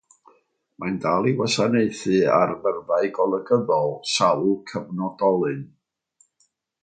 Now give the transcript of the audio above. Mae'n dal i wasanaethu ar fyrddau golygyddol sawl cyfnodolyn.